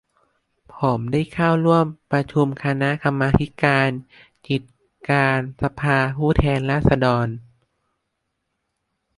ผมได้เข้าร่วมประชุมคณะกรรมาธิการกิจการสภาผู้แทนราษฎร